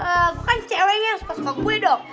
eh bukan ceweknya yang suka suka gue dong